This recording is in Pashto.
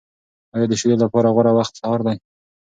آیا د شیدو لپاره غوره وخت سهار دی؟